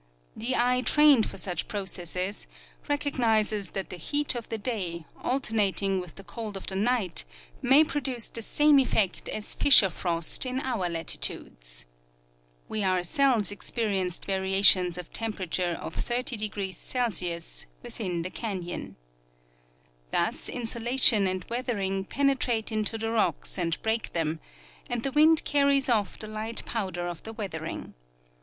The eye trained for such processes recognizes that the heat of the day, alternating with .the cold of the night, may produce the same effect as fissure frost in our latitudes. We ourselves experienced variations of temperature of 30° C. Avithin the canyon. Thus insolation and weathering penetrate into the rocks and break them, and the wind carries off the light powder of the weathering.